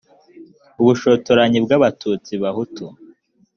ubushotoranyi bw abatutsi bahutu